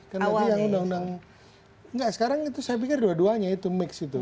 karena yang undang undang enggak sekarang itu saya pikir dua duanya itu mix itu